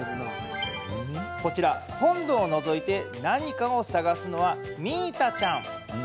こちら、本堂をのぞいて何かを探すのはミータちゃん。